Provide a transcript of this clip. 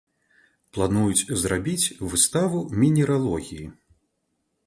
Плануюць зрабіць выставу мінералогіі.